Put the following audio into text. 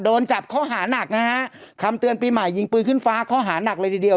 โดนจับข้อหานักนะฮะคำเตือนปีใหม่ยิงปืนขึ้นฟ้าข้อหานักเลยทีเดียว